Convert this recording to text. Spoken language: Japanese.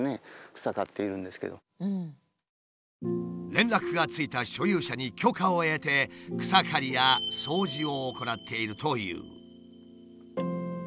連絡がついた所有者に許可を得て草刈りや掃除を行っているという。